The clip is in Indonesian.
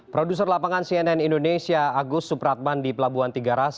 produser lapangan cnn indonesia agus supratman di pelabuhan tiga ras